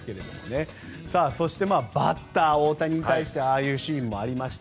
そしてバッター大谷に対してはああいうシーンもありました。